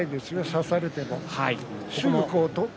差されても。